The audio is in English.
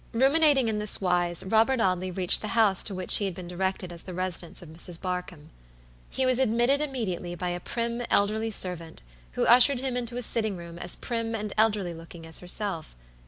Ruminating in this wise, Robert Audley reached the house to which he had been directed as the residence of Mrs. Barkamb. He was admitted immediately by a prim, elderly servant, who ushered him into a sitting room as prim and elderly looking as herself.